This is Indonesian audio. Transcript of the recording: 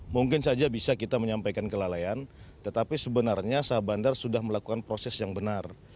mungkin saja bisa kita menyampaikan kelalaian tetapi sebenarnya sah bandar sudah melakukan proses yang benar